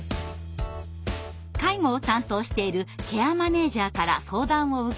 介護を担当しているケアマネージャーから相談を受けた社協。